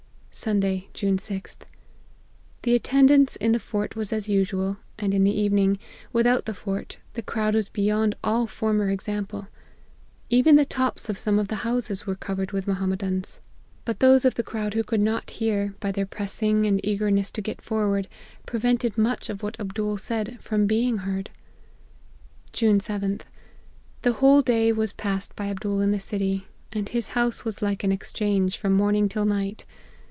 " Sunday, June 6th. The attendance in the fort was as usual ; and in the evening, without the fort, the crowd was beyond all former example. Even the tops of some of the houses, were covered with Mohammedans ; but those of the crowd who APPENDIX. 227 could not hear, by their pressing and eagerness to get forward, prevented much of what Abdool said from being heard. "June 7th. The whole day was passed by Abdool in the city ; and his house was like an ex change, from morning till night.